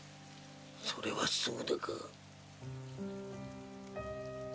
それはそうだが。